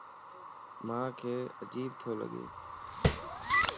مانک عجيب تو لڳا